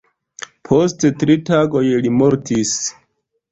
Post tri tagoj li mortis.